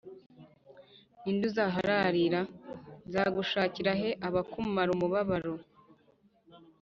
Ni nde uzaharirira?” Nzagushakira he abakumara umubabaro?